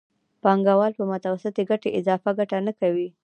پانګوال په متوسطې ګټې اضافي ګټه نه کوي